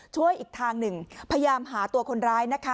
ช่วยอีกทางหนึ่งพยายามหาตัวคนร้ายนะคะ